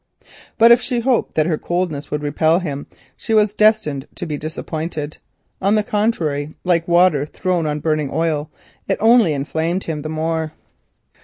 But if she hoped that her coldness would repel him, she was destined to be disappointed. On the contrary, like water thrown on burning oil, it only inflamed him the more.